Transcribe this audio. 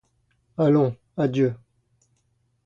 Allons, adieu!